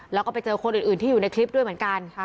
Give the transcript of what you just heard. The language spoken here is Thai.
แล้วก็ไปเจอคนอื่นที่อยู่ในคลิปด้วยเหมือนกัน